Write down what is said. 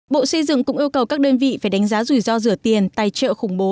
bộ xây dựng cũng yêu cầu các đơn vị phải đánh giá rủi ro rửa tiền tài trợ khủng bố